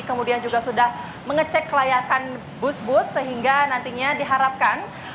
kemudian juga sudah mengecek kelayakan bus bus sehingga nantinya diharapkan